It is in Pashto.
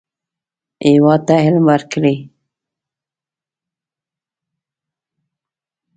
هېواد ته علم ورکړئ